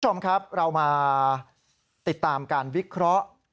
คุณผู้ชมครับเรามาติดตามการวิเคราะห์